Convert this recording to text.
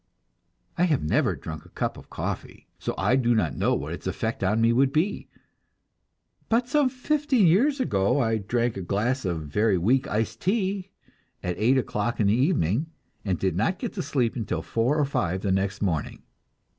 I have never drunk a cup of coffee, so I do not know what its effect on me would be. But some fifteen years ago I drank a glass of very weak iced tea at eight o'clock in the evening, and did not get to sleep until four or five the next morning.